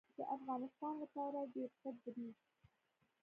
د افغانستان لپاره ډیر ښه دریځ